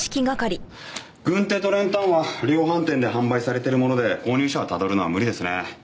軍手と練炭は量販店で販売されてるもので購入者をたどるのは無理ですね。